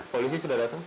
polisi sudah datang